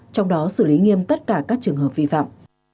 trong đó xử lý nghiêm tất cả các trường hợp vi phạm